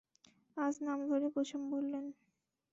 আজ নাম ধরে কুসুম বললেন!